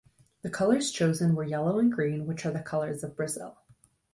The colors chosen were yellow and green, which are the colors of Brazil.